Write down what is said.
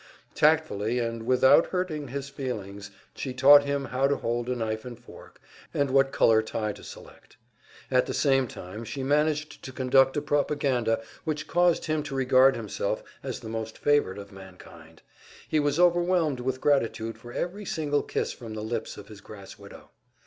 Tactfully, and without hurting his feelings, she taught him how to hold a knife and fork, and what color tie to select. At the same time she managed to conduct a propaganda which caused him to regard himself as the most favored of mankind; he was overwhelmed with gratitude for every single kiss from the lips of his grass widow.